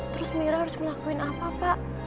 terus mira harus ngelakuin apa pak